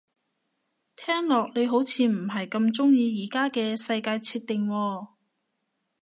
聽落你好似唔係咁鍾意而家嘅世界設定喎